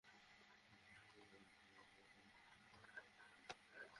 শুরু থেকেই তদন্তের গতি ভিন্ন খাতে নেওয়ার চেষ্টা করে তৎকালীন সরকার।